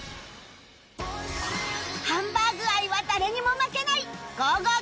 ハンバーグ愛は誰にも負けない Ｇｏ！